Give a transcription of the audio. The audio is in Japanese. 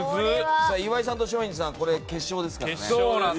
岩井さんと松陰寺さん決勝ですから。